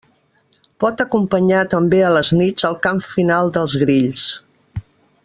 Pot acompanyar també a les nits el cant final dels grills.